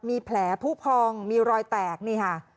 มีแผลผู้พองมีรอยแตกนี่ค่ะ